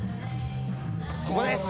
ここです。